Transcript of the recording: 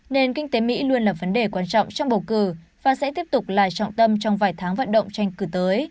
nền kinh tế mỹ luôn là vấn đề quan trọng trong bầu cử và sẽ tiếp tục là trọng tâm trong vài tháng vận động tranh cử tới